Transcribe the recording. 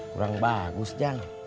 kurang bagus ujang